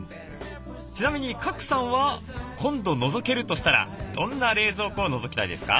ちなみに賀来さんは今度のぞけるとしたらどんな冷蔵庫をのぞきたいですか？